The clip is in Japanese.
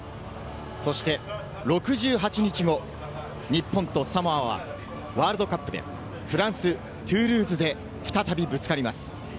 そして６８日後、日本とサモアはワールドカップで、フランス・トゥールーズで再びぶつかります。